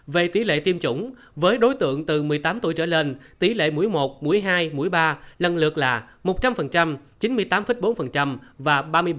về tỷ lệ tiêm chủng với đối tượng từ một mươi tám tuổi trở lên tỷ lệ mũi một mũi hai mũi ba lần lượt là một trăm linh chín mươi tám bốn và ba mươi ba